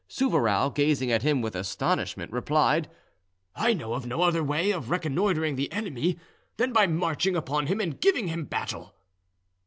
Souvarow, gazing at him with astonishment, replied, "I know of no other way of reconnoitring the enemy than by marching upon him and giving him battle."